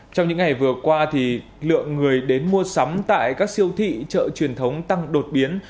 trong những ngày vừa qua lượng người đến mua sắm tại các siêu thị chợ truyền thống tăng đột biến